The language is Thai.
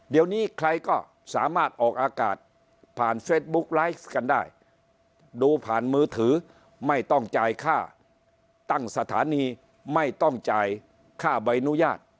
เดี๋ยวนี้ใครก็สามารถออกอากาศผ่านเฟซบุ๊กไลฟ์กันได้ดูผ่านมือถือไม่ต้องจ่ายค่าตั้งสถานีไม่ต้องจ่ายค่าใบอนุญาต